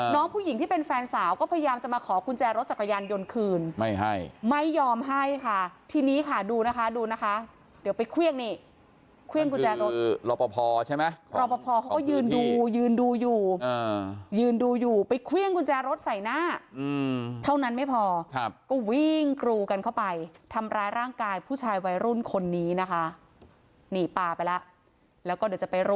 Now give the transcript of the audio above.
น้องผู้หญิงที่เป็นแฟนสาวก็พยายามจะมาขอกุญแจรถจักรยานยนต์คืนไม่ให้ไม่ยอมให้ค่ะทีนี้ค่ะดูนะคะดูนะคะเดี๋ยวไปเครื่องนี่เครื่องกุญแจรถคือรอปภใช่ไหมรอปภเขาก็ยืนดูยืนดูอยู่ยืนดูอยู่ไปเครื่องกุญแจรถใส่หน้าเท่านั้นไม่พอครับก็วิ่งกรูกันเข้าไปทำร้ายร่างกายผู้ชายวัยรุ่นคนนี้นะคะนี่ปลาไปแล้วแล้วก็เดี๋ยวจะไปร